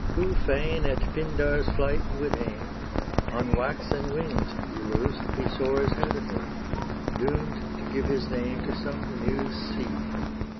Who fain at Pindar's flight would aim, On waxen wings, Iulus, he Soars heavenward, doom'd to give his name To some new sea.